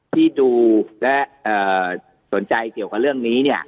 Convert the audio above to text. ที่ดูและสนใจเกี่ยวกับเรื่องนี้